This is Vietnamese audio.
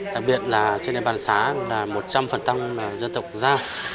đặc biệt là trên đêm bàn xã là một trăm linh dân tộc gia